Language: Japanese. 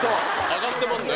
上がってますね。